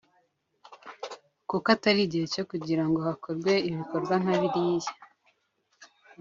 kuko atari gihe cyo kugira ngo hakorwe ibikorwa nka biriya